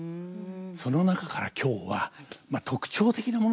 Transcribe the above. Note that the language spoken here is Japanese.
その中から今日はまあ特徴的なものですね。